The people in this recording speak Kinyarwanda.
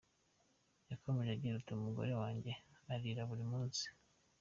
Yakomeje agira ati "Umugore wanjye arira buri munsi.